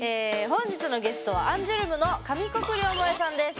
本日のゲストはアンジュルムの上國料萌衣さんです。